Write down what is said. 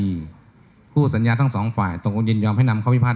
ได้ด้วยดีคู่สัญญาทั้งสองฝ่ายตรงกลุ่มยินยอมให้นำข้อพิพาท